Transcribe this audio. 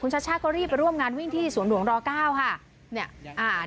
คุณชาชาก็รีบไปร่วมงานวิ่งที่สวงหลวงรเก้าค่ะ